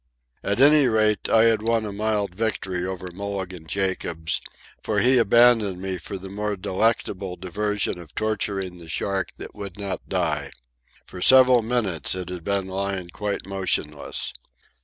At any rate, I had won a mild victory over Mulligan Jacobs; for he abandoned me for the more delectable diversion of torturing the shark that would not die. For several minutes it had been lying quite motionless.